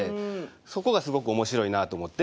そこがすごく面白いなと思って。